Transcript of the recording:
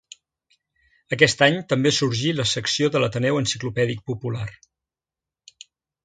Aquest any també sorgí la secció de l'Ateneu Enciclopèdic Popular.